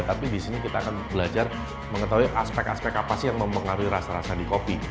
tapi di sini kita akan belajar mengetahui aspek aspek apa sih yang mempengaruhi rasa rasa di kopi